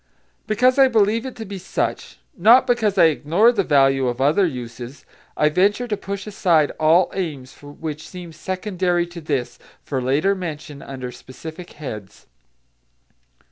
Because I believe it to be such, not because I ignore the value of other uses, I venture to push aside all aims which seem secondary to this for later mention under specific heads.